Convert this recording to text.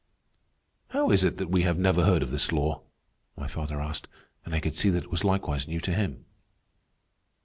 "How is it that we have never heard of this law?" my father asked, and I could see that it was likewise new to him.